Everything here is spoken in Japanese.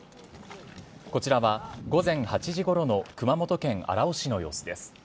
こちらは午前８時ごろの熊本県荒尾市の様子です。